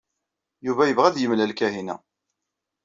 Yuba yebɣa ad yemlal Kahina.